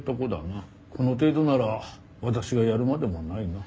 この程度なら私がやるまでもないな。